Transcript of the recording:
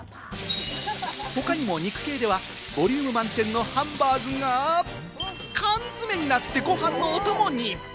他にも肉系ではボリューム満点のハンバーグが缶詰になってご飯のお供に。